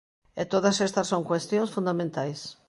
E todas estas son cuestións fundamentais.